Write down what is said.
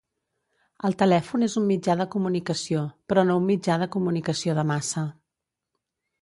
El telèfon és un mitjà de comunicació, però no un mitjà de comunicació de massa.